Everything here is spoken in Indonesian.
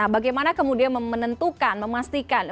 bagaimana kemudian memastikan